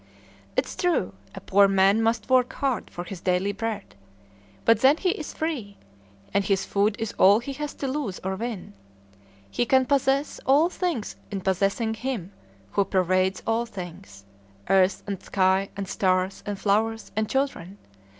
"'Tis true, a poor man must work hard for his daily bread; but then he is free. And his food is all he has to lose or win. He can possess all things in possessing Him who pervades all things, earth, and sky, and stars, and flowers, and children.